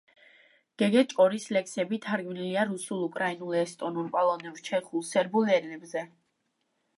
გეგეჭკორის ლექსები თარგმნილია რუსულ, უკრაინულ, ესტონურ, პოლონურ, ჩეხურ, სერბულ ენებზე.